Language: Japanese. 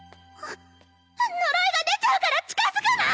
呪いが出ちゃうから近づくな！